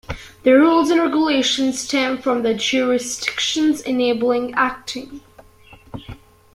The rules and regulations stem from the jurisdiction's enabling act.